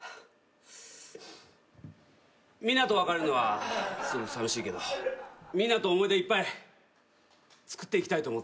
みんなと別れるのはすごい寂しいけどみんなと思い出いっぱいつくっていきたいと思ってる。